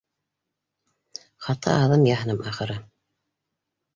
Хата аҙым яһаным, ахыры